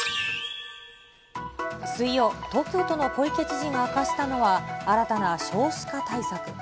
水曜、東京都の小池知事が明かしたのは、新たな少子化対策。